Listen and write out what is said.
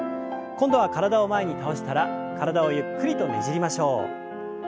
今度は体を前に倒したら体をゆっくりとねじりましょう。